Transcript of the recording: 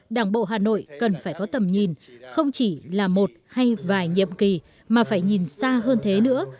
đảng bộ hà nội cần phải có tầm nhìn không chỉ là một hay vài nhiệm kỳ mà phải nhìn xa hơn thế nữa